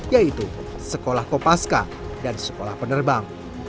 yaitu sekolah kopaska dan sekolah penerbang